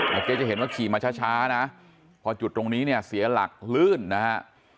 เมื่อกี้จะเห็นว่าขี่มาช้านะพอจุดตรงนี้เนี่ยเสียหลักลื่นนะฮะ